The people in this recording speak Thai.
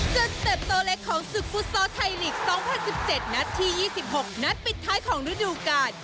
สเต็ปโตเล็กของศึกฟุตซอลไทยลีก๒๐๑๗นัดที่๒๖นัดปิดท้ายของฤดูกาล